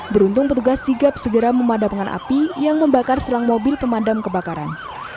beruntung petugas sigap segera memadamkan api yang membakar selang mobil pemadam kebakaran